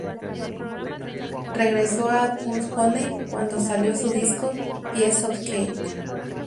Regresó a Mudhoney cuando salió su disco Piece of Cake.